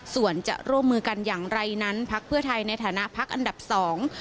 ส่วนจะร่วมมือกันอย่างไรนั้นพักเพื่อไทยในฐานะพักอันดับสอง